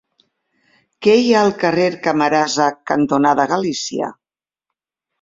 Què hi ha al carrer Camarasa cantonada Galícia?